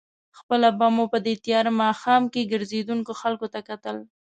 خپله به مو په دې تېاره ماښام کې ګرځېدونکو خلکو ته کتل.